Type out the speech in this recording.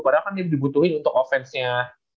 padahal kan dibutuhin untuk offense nya